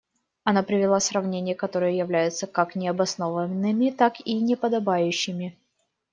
Она привела сравнения, которые являются как необоснованными, так и неподобающими.